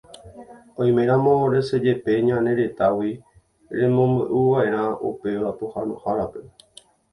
Oiméramo resẽjepe ñane retãgui, remombe'uva'erã upéva pohãnohárape